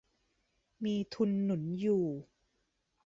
มีทุนหนุนอยู่